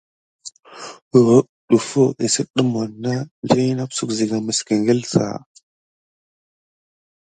Kurum ɗəffo kis kudumona dina na uksu siga mis gəldala ça agate.